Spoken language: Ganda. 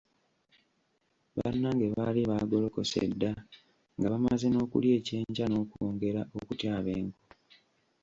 Bannange baali baagolokose dda nga bamaze n'okulya ekyenkya n'okwongera okutyaba enku.